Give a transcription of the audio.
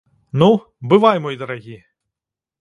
Ну, бывай мой дарагі!